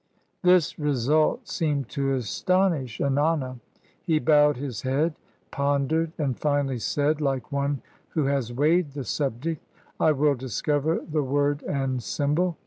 This result seemed to astonish Ennana. He bowed his head, pondered, and finally said, like one who has weighed the subject, — "I will discover the word and symbol.